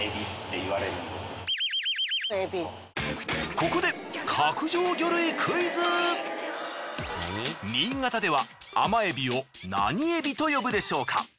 ここで新潟では甘エビを何エビと呼ぶでしょうか？